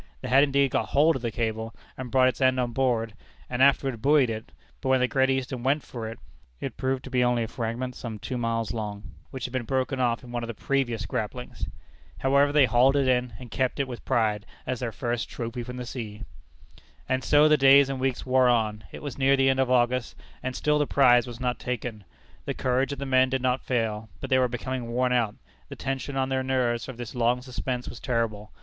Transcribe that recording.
They had indeed got hold of the cable, and brought its end on board, and afterward buoyed it, but when the Great Eastern went for it, it proved to be only a fragment some two miles long, which had been broken off in one of the previous grapplings. However, they hauled it in, and kept it with pride, as their first trophy from the sea. And so the days and weeks wore on; it was near the end of August, and still the prize was not taken. The courage of the men did not fail, but they were becoming worn out. The tension on their nerves of this long suspense was terrible.